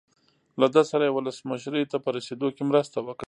له ده سره یې ولسمشرۍ ته په رسېدو کې مرسته وکړه.